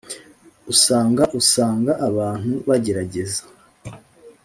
usanga usanga abantu bagerageza